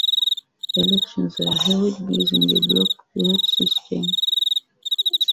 Elections were held using the bloc vote system.